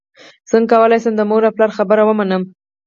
څنګه کولی شم د مور او پلار خبره ومنم